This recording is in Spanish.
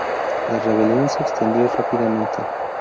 La rebelión se extendió rápidamente.